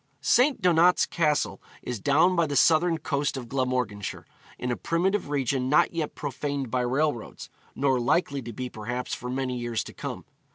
St. Donat's Castle is down on the southern coast of Glamorganshire, in a primitive region not yet profaned by railroads, nor likely to be perhaps for many years to come.